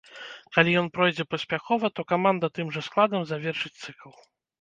Калі ён пройдзе паспяхова, то каманда тым жа складам завершыць цыкл.